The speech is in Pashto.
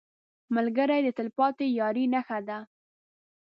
ملګری د تلپاتې یارۍ نښه ده